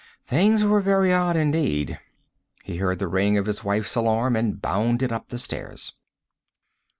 Things were very odd indeed. He heard the ring of his wife's alarm and bounded up the stairs.